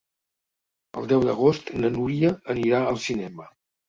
El deu d'agost na Núria anirà al cinema.